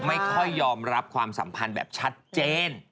ไม่ค่อยยอมรับความสัมพันธ์แบบชัดเจน